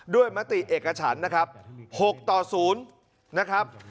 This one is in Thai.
มติเอกฉันนะครับ๖ต่อ๐นะครับ